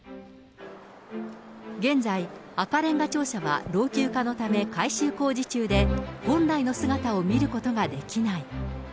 現在、赤れんが庁舎は老朽化のため改修工事中で、本来の姿を見ることができない。